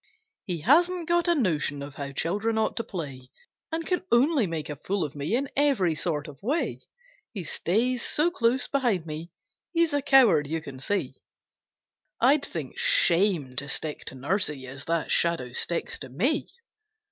He hasn't got a notion of how children ought to play, And can only make a fool of me in every sort of way. He stays so close beside me, he's a coward you can see; I'd think shame to stick to nursie as that shadow sticks to me!